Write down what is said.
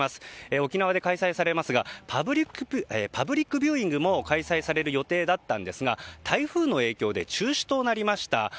沖縄で開催されますがパブリックビューイングも開催される予定だったんですが台風の影響で中止となりました。